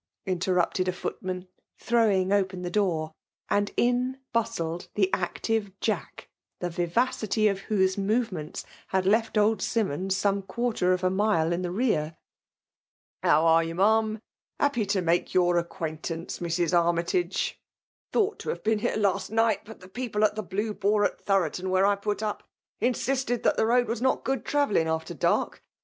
interrupted a footman, throwing open the door; and in bustled the active Jack, the vivacity of whose movements had left old Simmons some quarter of a inUe in the rear. " How are you> Ma'am ?— ^Happy to make yoqr acq^oaiiiifa^ee, Mrs. Armytagel — ^Thought VOL. I. I 170 FEMALE OOtflNATIOM. to have been hare last night ; but the people at the Blue Boar at Thwoton, where I put up, insisted that the road was not good travelliog after dark.